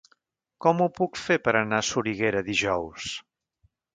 Com ho puc fer per anar a Soriguera dijous?